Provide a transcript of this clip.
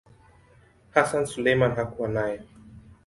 Hassan Suleiman hakuwa nayo.